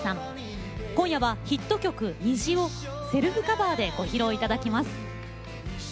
今夜はヒット曲「虹」をセルフカバーでご披露頂きます。